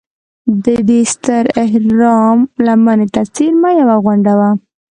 د دې ستر اهرام لمنې ته څېرمه یوه غونډه وه.